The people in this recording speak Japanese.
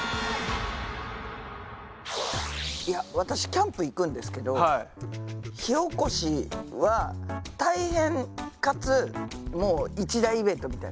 私キャンプ行くんですけど火おこしは大変かつもう一大イベントみたいな。